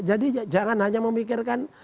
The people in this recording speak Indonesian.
jadi jangan hanya memikirkan